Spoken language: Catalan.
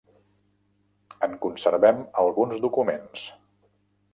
En conservem alguns documents.